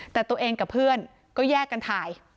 แต่ตัวเองกับเพื่อนก็แยกกันถ่าย